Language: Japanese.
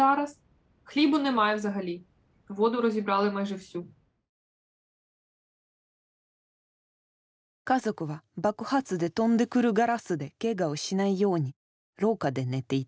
家族は爆発で飛んでくるガラスでケガをしないように廊下で寝ていた。